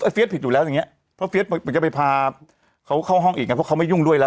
เฟียสผิดอยู่แล้วอย่างเงี้เพราะเฟียสเหมือนจะไปพาเขาเข้าห้องอีกไงเพราะเขาไม่ยุ่งด้วยแล้ว